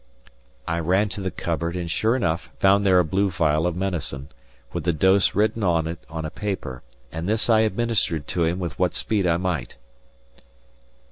I ran to the cupboard, and, sure enough, found there a blue phial of medicine, with the dose written on it on a paper, and this I administered to him with what speed I might.